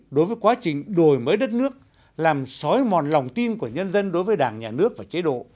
đối với quá trình đổi mới đất nước làm sói mòn lòng tin của nhân dân đối với đảng nhà nước và chế độ